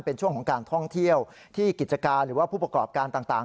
เป็นช่วงของการท่องเที่ยวที่กิจการหรือว่าผู้ประกอบการต่าง